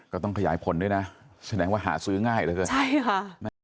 ก็ต้องขยายผลด้วยนะแสดงว่าหาซื้อง่ายเหลือเกินใช่ค่ะ